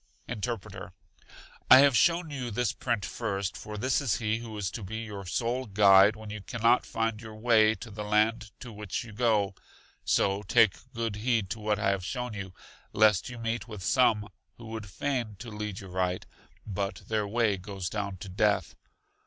Interpreter. I have shown you this print first, for this is He who is to be your sole guide when you can not find your way to the land to which you go; so take good heed to what I have shown you, lest you meet with some who would feign to lead you right; but their way goes down to death.